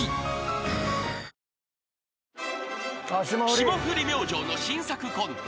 ［霜降り明星の新作コント］